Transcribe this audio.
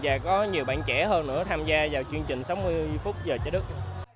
và có nhiều bạn trẻ hơn nữa tham gia vào chương trình sáu mươi phút giờ trái đất